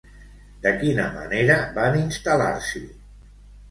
De quina manera van instal·lar-s'hi?